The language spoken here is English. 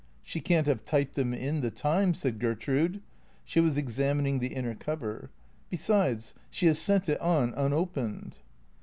" She can't have typed them in the time," said Gertrude. She was examining the inner cover. " Besides, she has sent it on unopened."